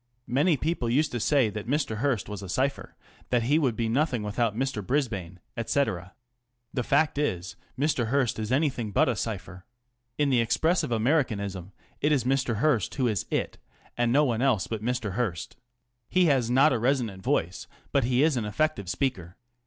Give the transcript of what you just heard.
Many people used to say that Mr. Hearst was a cypher, that he would be nothing without Mr. Brisbane, etc. The fact is, Mr. Hearst is anything but a cypher. In the expressive Americanism it is Mr. Hearst who is "it," and no one else but Mr. Hearst. He has not a resonant voice, but he is an effective speaker.